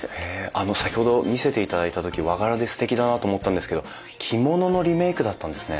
あの先ほど見せていただいた時和柄ですてきだなと思ったんですけど着物のリメークだったんですね。